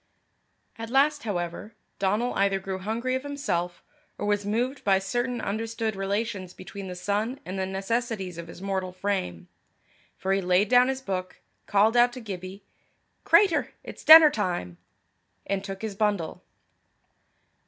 At last, however, Donal either grew hungry of himself, or was moved by certain understood relations between the sun and the necessities of his mortal frame; for he laid down his book, called out to Gibbie, "Cratur, it's denner time," and took his bundle.